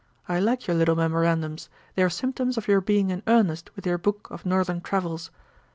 I like your little memorandums; they are symptoms of your being in earnest with your book of northern travels.